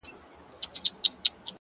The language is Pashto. ته يې جادو په شينكي خال كي ويــنې ـ